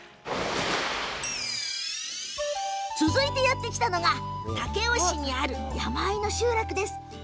続いて、やって来たのが武雄市にある山あいの集落です。